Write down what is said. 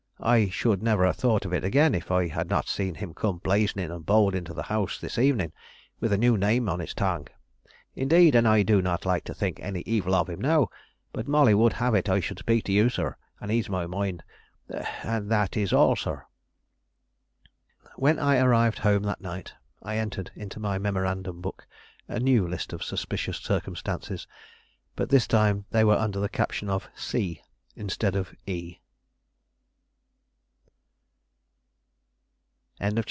I should never have thought of it again if I had not seen him come blazoning and bold into the house this evening, with a new name on his tongue. Indeed, and I do not like to think any evil of him now; but Molly would have it I should speak to you, sir, and ease my mind, and that is all, sir." When I arrived home that night, I entered into my memorandum book a new list of suspicious circumstances, but this time they were under the caption "C" instead of "E."